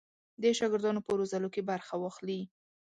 د شاګردانو په روزلو کې برخه واخلي.